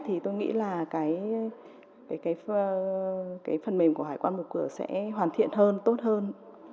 thì cái phần mềm của hải quan một cửa sẽ hoàn thiện hơn tốt hơn